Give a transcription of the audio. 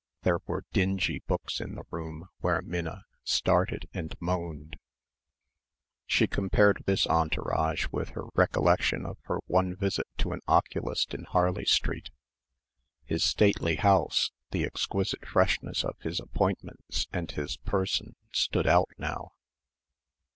There were dingy books in the room where Minna started and moaned. She compared this entourage with her recollection of her one visit to an oculist in Harley Street. His stately house, the exquisite freshness of his appointments and his person stood out now.